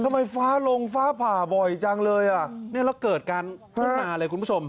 ฟ้าลงฟ้าผ่าบ่อยจังเลยอ่ะเนี่ยแล้วเกิดการขึ้นมาเลยคุณผู้ชม